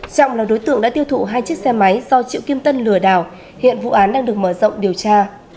trọng là đối tượng đã tiêu thụ hai chiếc xe máy do triệu kim tân lừa đảo hiện vụ án đang được mở rộng điều tra